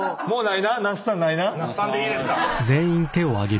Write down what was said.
那須さんでいいですか。